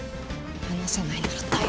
話さないなら逮捕。